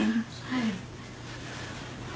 ใช่